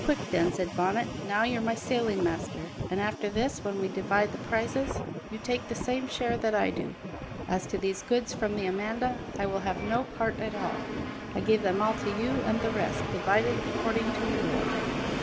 "Quick then," said Bonnet; "now you're my sailing master; and after this, when we divide the prizes, you take the same share that I do. As to these goods from the Amanda, I will have no part at all; I give them all to you and the rest, divided according to rule.